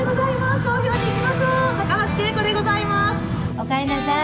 おかえりなさい。